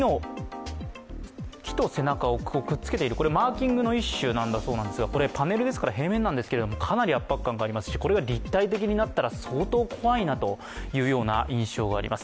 木と背中をくっつけている、これ、マーキングの一種だそうなんですが、これパネルですから平面なんですけれども、かなり圧迫感がありますしこれが立体的になったら相当怖いなという印象があります。